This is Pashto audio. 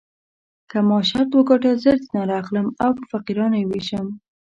که ما شرط وګټه زر دیناره اخلم او په فقیرانو یې وېشم.